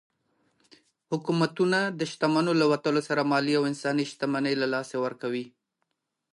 حکومتونه د شتمنو له وتلو سره مالي او انساني شتمني له لاسه ورکوي.